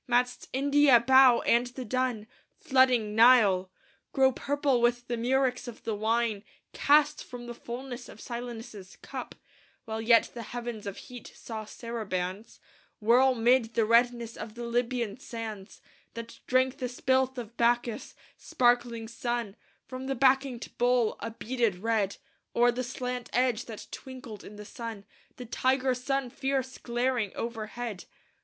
Mad'st India bow and the dun, flooding Nile Grow purple with the murex of the wine Cast from the fullness of Silenus' cup, While yet the heavens of heat saw sarabands Whirl 'mid the redness of the Libyan sands, That drank the spilth of Bacchus, sparkling spun From the Bacchante bowl, a beaded red O'er the slant edge, that twinkled in the sun, The tiger sun fierce glaring overhead.